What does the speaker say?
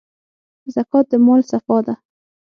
زکات د مال صفا ده.